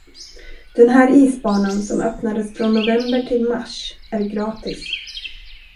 Den här isbanan, som öppnades från november till mars, är gratis.